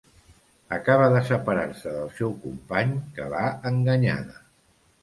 Acaba de separar-se del seu company que l'ha enganyada.